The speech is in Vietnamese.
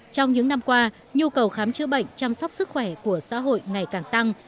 trong những năm qua nhu cầu khám chữa bệnh chăm sóc sức khỏe của xã hội ngày càng tăng